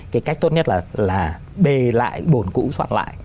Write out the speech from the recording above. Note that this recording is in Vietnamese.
cái cách tốt nhất là bề lại bồn cũ soạn lại